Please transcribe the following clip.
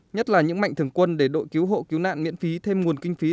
nhất là những mạnh thường quân để đội cứu hộ cứu nạn miễn phí thêm nguồn kinh phí